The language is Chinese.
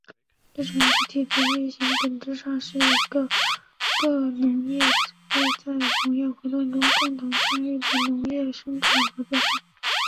这种集体的类型本质上是一个在各农业主在农业活动共同参与的农业生产合作社。